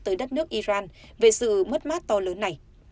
tới đất nước iran về sự mất mát to lớn này